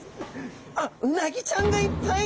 あっうなぎちゃんがいっぱい！